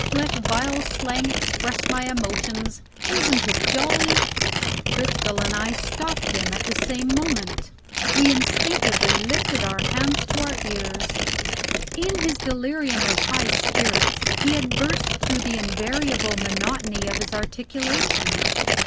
Let vile slang express my emotions: isn't it jolly?" Cristel and I stopped him, at the same moment. We instinctively lifted our hands to our ears. In his delirium of high spirits, he had burst through the invariable monotony of his articulation.